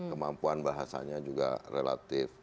kemampuan bahasanya juga relatif